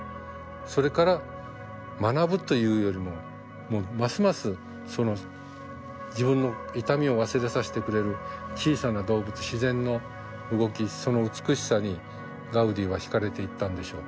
それから学ぶというよりももうますますその自分の痛みを忘れさせてくれる小さな動物自然の動きその美しさにガウディは惹かれていったんでしょう。